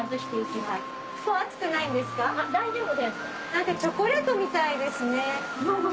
何かチョコレートみたいですね。